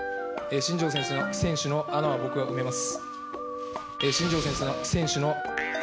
「新庄選手は僕が埋めます」。